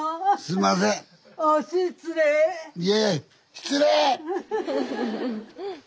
失礼！